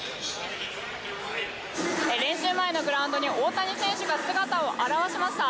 練習前のグラウンドに大谷選手が姿を現しました。